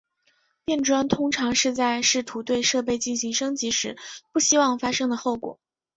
变砖通常是在试图对设备进行升级时不希望发生的后果。